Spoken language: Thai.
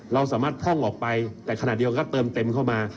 เราสามารถพร่องออกไปแต่ขณะเดียวกันก็เติมเต็มเข้ามา